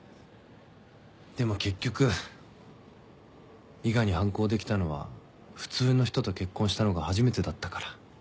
でも結局伊賀に反抗できたのは普通の人と結婚したのが初めてだったから。